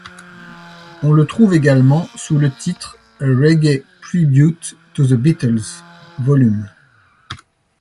On le trouve également sous le titre A Reggae Tribute to the Beatles, Vol.